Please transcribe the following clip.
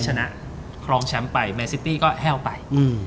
ก็คล้องแชมป์ไปมาร์ชิตตี้ก็แห้ลไป